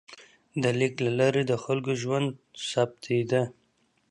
د لیک له لارې د خلکو ژوند ثبتېده.